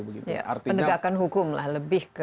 penegakan hukum lah lebih ke